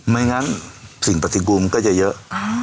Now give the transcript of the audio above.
ไม่งั้นสิ่งปฏิกูลก็จะเยอะ